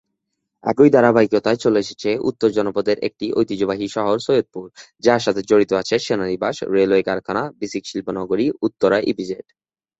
এরই ধারাবাহিকতায় চলে এসেছে উত্তর জনপদের একটি ঐতিহ্যবাহী শহর সৈয়দপুর, যার সাথে জড়িয়ে আছে সেনানিবাস, রেলওয়ে কারখানা, বিসিক শিল্পনগরী, উত্তরা ইপিজেড।